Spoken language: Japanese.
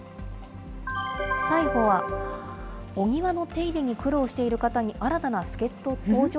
最後はお庭の手入れに苦労している方に新たな助っ人登場？